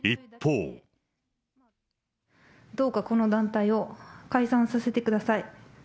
どうかこの団体を、解散させてください。